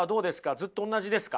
ずっとおんなじですか？